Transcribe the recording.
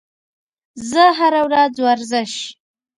زه هره ورځ ورزش